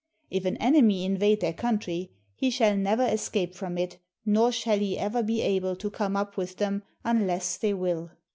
If an enemy invade their country he shall never escape from it, nor shall he ever be able to come up with them unless they will.